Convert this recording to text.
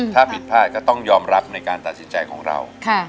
ถ้าผิดพลาดก็ต้องยอมรับในการตัดสินใจของเรา